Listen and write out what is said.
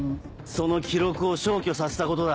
その記録を消去させたことだ。